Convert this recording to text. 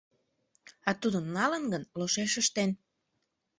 — А тудо налын гын, лошеш ыштен.